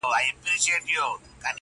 بگوت گيتا د هندوانو مذهبي کتاب.